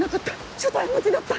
所帯持ちだった。